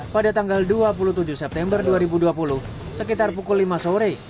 pada tanggal dua puluh tujuh september dua ribu dua puluh sekitar pukul lima sore